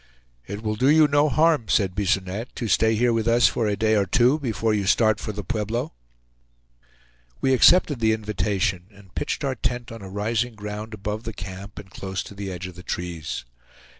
"It will do you no harm," said Bisonette, "to stay here with us for a day or two, before you start for the Pueblo." We accepted the invitation, and pitched our tent on a rising ground above the camp and close to the edge of the trees.